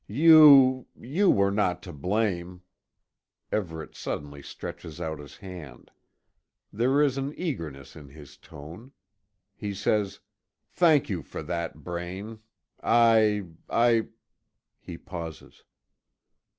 You you were not to blame " Everet suddenly stretches out his hand. There is an eagerness in his tone. He says: "Thank you for that, Braine. I I " He pauses.